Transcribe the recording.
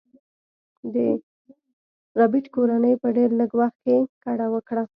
د ربیټ کورنۍ په ډیر لږ وخت کې کډه وکړه